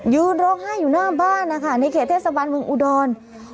ร้องไห้อยู่หน้าบ้านนะคะในเขตเทศบาลเมืองอุดร